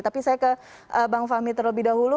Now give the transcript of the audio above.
tapi saya ke bang fahmi terlebih dahulu